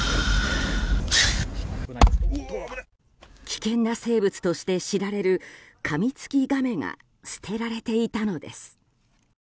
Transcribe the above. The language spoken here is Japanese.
危険な生物として知られるカミツキガメが捨てられていたのです。